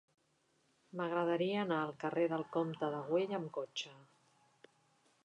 M'agradaria anar al carrer del Comte de Güell amb cotxe.